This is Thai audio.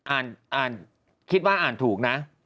อ่านคิดว่าอ่านถูกนะ